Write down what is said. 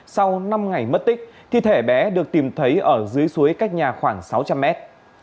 sau năm ngày mất tích thi thể bé được tìm thấy ở dưới suối cách nhà khoảng sáu trăm linh mét